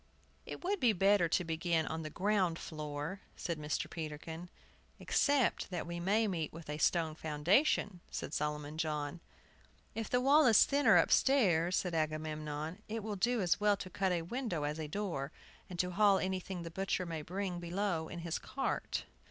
"It would be better to begin on the ground floor," said Mr. Peterkin. "Except that we may meet with a stone foundation," said Solomon John. "If the wall is thinner upstairs," said Agamemnon, "it will do as well to cut a window as a door, and haul up anything the butcher may bring below in his cart."